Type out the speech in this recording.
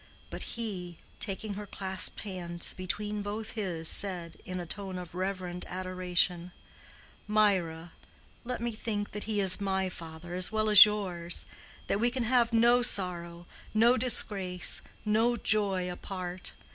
But he, taking her clasped hands between both his, said, in a tone of reverent adoration, "Mirah, let me think that he is my father as well as yours—that we can have no sorrow, no disgrace, no joy apart.